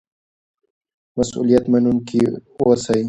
مسؤلیت منونکي اوسئ.